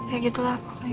ya gitu lah pokoknya